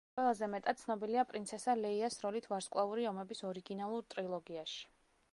ყველაზე მეტად ცნობილია პრინცესა ლეიას როლით „ვარსკვლავური ომების“ ორიგინალურ ტრილოგიაში.